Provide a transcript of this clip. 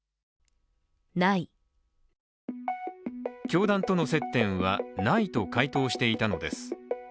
教団との接点は、ないと回答していたのです。